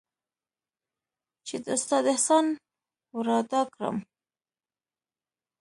چې د استاد احسان ورادا کړم.